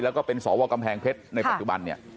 แล้วก็เป็นสวกำแพงเพชรในปัจจุบันเนี่ย